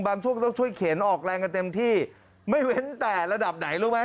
ช่วงต้องช่วยเข็นออกแรงกันเต็มที่ไม่เว้นแต่ระดับไหนรู้ไหม